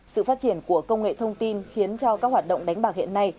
sự phát triển của công nghệ thông tin khiến cho các hoạt động đánh bạc hiện nay